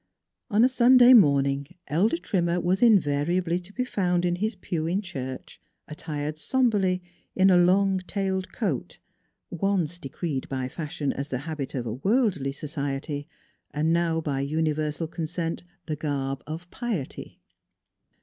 On a Sunday morning Elder Trimmer was invariably to be found in his pew in church, attired somberly in a long tailed coat, once decreed by fashion as the habit of a worldly society, now by universal consent the garb of piety.